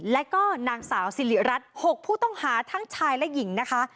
แล้วก็นางสาวสิริรัตน์๖ผู้ต้องหาทั้งชายและหญิงนะคะ